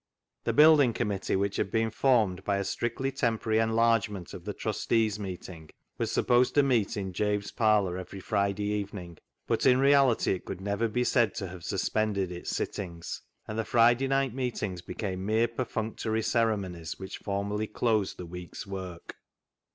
The Building Committee, which had been formed by a strictly temporary enlargement of the Trustees' Meeting, was supposed to meet in Jabe's parlour every Friday evening, but in reality it could never be said to have sus pended its sittings, and the Friday night meetings became mere perfunctory ceremonies which formally closed the week's work.